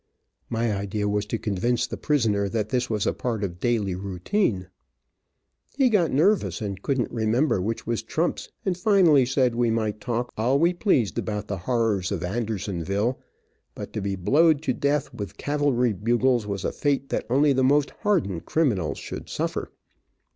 My idea was to convince the prisoner that this was a part of daily routine. He got nervous and couldn't remember which was trumps; and finally said we might talk all we pleased about the horrors of Andersonville, but to be blowed to death with cavalry bugles was a fate that only the most hardened criminals should suffer.